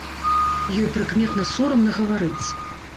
Ёй прыкметна сорамна гаварыць.